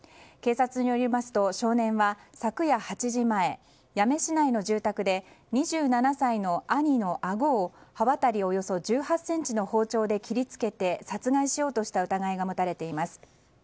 警察によりますと少年は昨夜８時前八女市内の住宅で２７歳の兄のあごを刃渡りおよそ１８ｃｍの包丁で切り付けて殺害しようとした疑いが持たれています。